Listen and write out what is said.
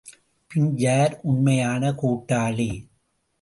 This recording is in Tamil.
பின் யார் உண்மையான கூட்டாளி?